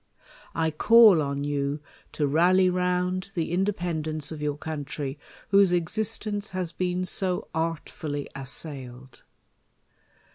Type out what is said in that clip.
I call on you to rally round the independ * cnce of your country, w4iose existence has been so artfully assailed.